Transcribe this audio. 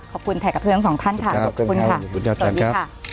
ขอบคุณแท่กับทั้งสองท่านค่ะขอบคุณค่ะสวัสดีค่ะ